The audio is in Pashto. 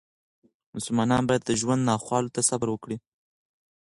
مسلمانان باید د ژوند ناخوالو ته صبر وکړي.